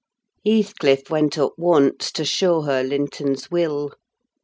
Heathcliff went up once, to show her Linton's will.